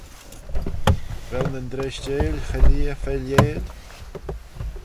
Vel nyn dreishteil cho leah failleil?